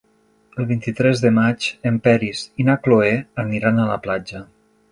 El vint-i-tres de maig en Peris i na Cloè aniran a la platja.